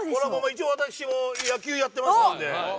一応私も野球やってましたんで。